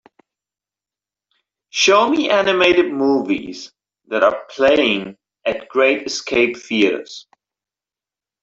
Show me animated movies that are playig at Great Escape Theatres